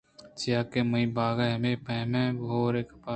چیاکہ مئے باغءَ ہمے پیمیں ہورے پکّاریں